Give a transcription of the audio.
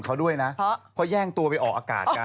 เพราะว่าตอนนี้ก็ไม่มีใครไปข่มครูฆ่า